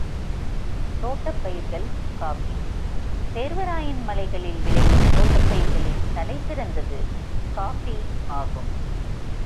தோட்டப் பயிர்கள் காஃபி சேர்வராயன் மலைகளில் விளையும் தோட்டப் பயிர்களில் தலைசிறந்தது காஃபி ஆகும்.